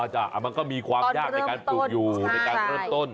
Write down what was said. มันก็มีความยากในการปลูกอยู่ในการเริ่มต้น